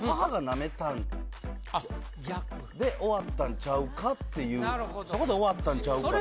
逆で終わったんちゃうかっていうそこで終わったんちゃうかな